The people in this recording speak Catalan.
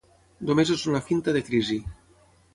Només és una finta de crisi.